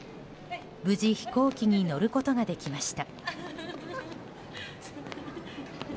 無事、飛行機に乗ることができました。